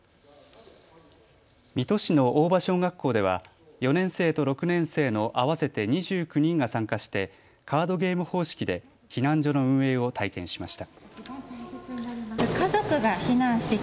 水戸市の大場小学校では４年生と６年生の合わせて２９人が参加してカードゲーム方式で避難所の運営を体験しました。